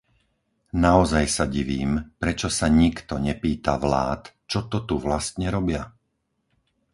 Naozaj sa divím, prečo sa nikto nepýta vlád, čo to tu vlastne robia.